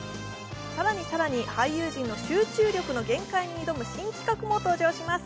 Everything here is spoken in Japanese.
更に更に俳優陣の集中力の限界に挑む新企画も登場します。